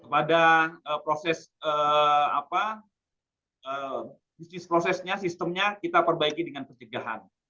pada proses bisnis prosesnya sistemnya kita perbaiki dengan pencegahan